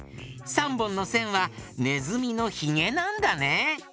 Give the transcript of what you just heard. ３ぼんのせんはねずみのひげなんだね。